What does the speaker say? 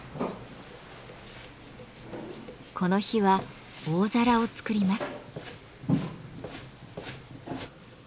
この日は大皿を作ります。